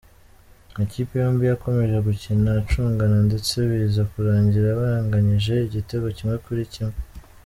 Amakipe yombi yakomeje gukina acunganwa ndetse biza kurangira banganyije igitego kimwe kuri kimwe.